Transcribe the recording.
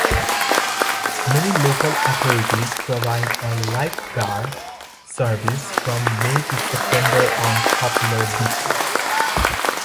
Many local authorities provide a lifeguard service from May to September on popular beaches.